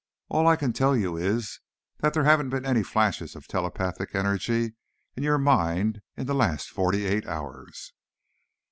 All I can tell you is that there haven't been any flashes of telepathic energy in your mind in the last forty eight hours."